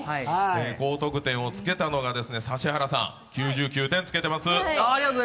高得点をつけたのが指原さん、９９点をつけてます。